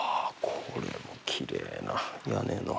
これもきれいな屋根の。